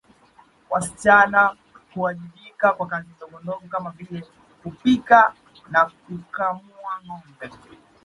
Wasichana huwajibika kwa kazi ndogondogo kama vile kupika na kukamua ngombe